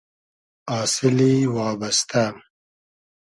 آسیلی وابئستۂ